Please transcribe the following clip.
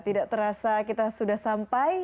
tidak terasa kita sudah sampai